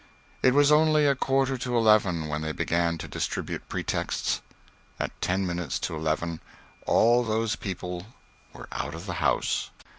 It was only a quarter to eleven when they began to distribute pretexts. At ten minutes to eleven all those people were out of the house.